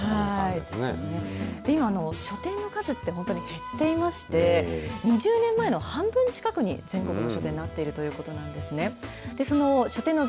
今、書店の数って本当に減っていまして２０年前の半分近くに全国の書店はなっているということなんですね。